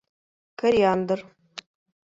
Кориандр.